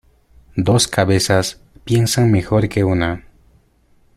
Dos cabezas piensan mejor que una.